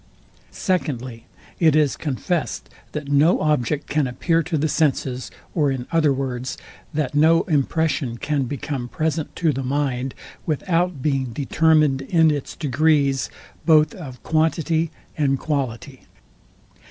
Secondly, it is contest, that no object can appear to the senses; or in other words, that no impression can become present to the mind, without being determined in its degrees both of quantity and quality.